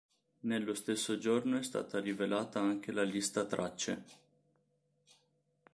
Nello stesso giorno è stata rivelata anche la lista tracce.